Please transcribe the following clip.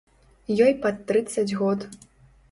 Ёй пад трыццаць год.